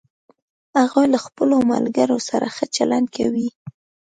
هغوی له خپلوملګرو سره ښه چلند کوي